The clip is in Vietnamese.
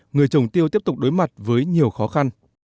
người trồng tiêu tiếp tục đối mặt với nhiều khó khăn